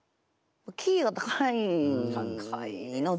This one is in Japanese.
キーが高いので。